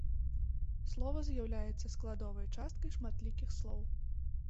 Слова з'яўляецца складовай часткай шматлікіх слоў.